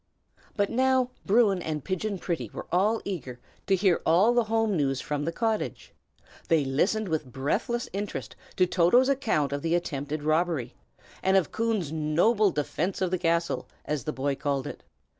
But now Bruin and Pigeon Pretty were eager to hear all the home news from the cottage. They listened with breathless interest to Toto's account of the attempted robbery, and of Coon's noble "defence of the castle," as the boy called it.